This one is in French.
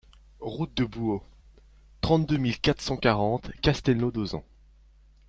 Route de Bouau, trente-deux mille quatre cent quarante Castelnau-d'Auzan